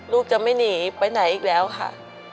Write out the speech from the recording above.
ลูกจะไม่หนีไปไหนอีกแล้วค่ะ